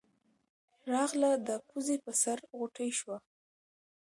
راغله د پوزې پۀ سر غوټۍ شوه